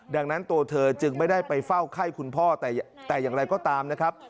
ดังนั้นตัวเธอจึงไม่ได้ไปเฝ้าไข้คุณพ่อแต่อย่างไรก็ตามนะครับ